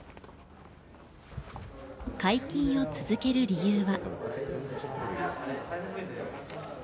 皆勤を続ける理由は。